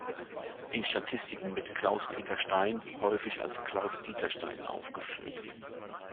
In Statistiken wird Klaus-Peter Stein häufig als Klaus-Dieter Stein aufgeführt.